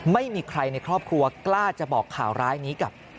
ไม่มีใครในครอบครัวกล้าจะบอกข่าวร้ายนี้กับ